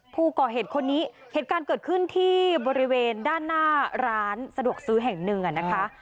ผู้ก่อเหตุคนนี้เหตุการณ์เกิดขึ้นที่บริเวณด้านหน้าร้านสะดวกซื้อแห่งหนึ่งนะคะ